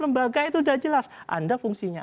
lembaga itu sudah jelas anda fungsinya